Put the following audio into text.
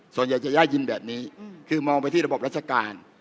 ส่วนใหญ่จะได้ยินแบบนี้คือมองไปที่ระบบราชการ